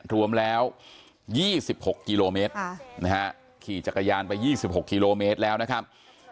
รวมแล้ว๒๖กิโลเมตรขี่จักรยานไป๒๖กิโลเมตรแล้วนะครับ